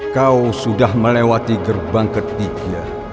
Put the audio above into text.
kau sudah melewati gerbang ketiga